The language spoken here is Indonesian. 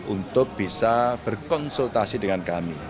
untuk bisa berkonsultasi dengan kami